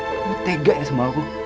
aduh tega ya sama aku